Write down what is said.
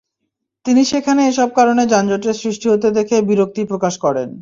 তিনি সেখানে এসব কারণে যানজটের সৃষ্টি হতে দেখে বিরক্তি প্রকাশ করেন।